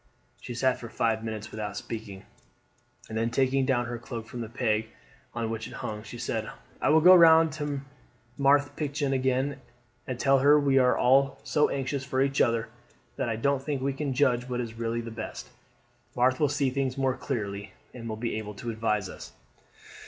She sat for five minutes without speaking, and then taking down her cloak from the peg on which it hung she said; "I will go round to Marthe Pichon again and tell her we are all so anxious for each other, that I don't think we can judge what is really the best. Marthe will see things more clearly and will be able to advise us."